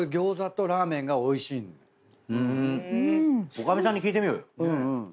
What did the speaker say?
女将さんに聞いてみようよ。